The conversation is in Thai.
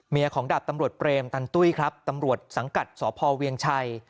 ของดาบตำรวจเปรมตันตุ้ยครับตำรวจสังกัดสพเวียงชัย